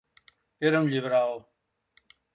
Era un liberal.